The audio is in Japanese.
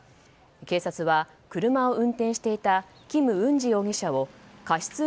警察は、車を運転していたキム・ウンジ容疑者を過失